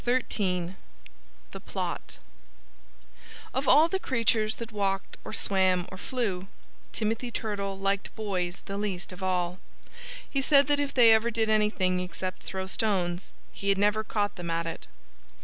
XIII THE PLOT Of all the creatures that walked or swam or flew, Timothy Turtle liked boys the least of all. He said that if they ever did anything except throw stones he had never caught them at it.